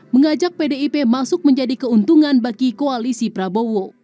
mengajak pdip masuk menjadi keuntungan bagi koalisi prabowo